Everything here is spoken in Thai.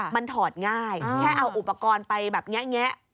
มันถอดง่ายแค่เอาอุปกรณ์ไปแบบแงะ